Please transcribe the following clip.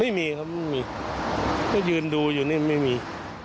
ไม่มีครับไม่มีก็ยืนดูอยู่นี่ไม่มี